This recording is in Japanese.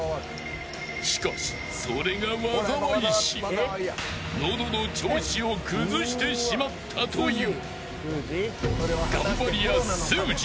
しかし、それが災いし喉の調子を崩してしまったという。